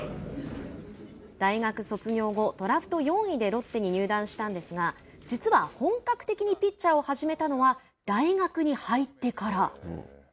大学卒業後ドラフト４位でロッテに入団したんですが実は本格的にピッチャーを始めたのは大学に入ってから。